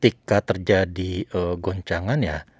dan ketika terjadi goncangan ya